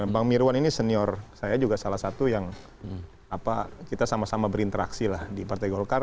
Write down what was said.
bang mirwan ini senior saya juga salah satu yang kita sama sama berinteraksi lah di partai golkar